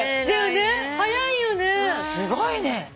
すごいね。